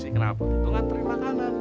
kenapa tuh nganterin makanan